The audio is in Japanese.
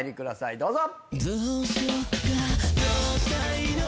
どうぞ！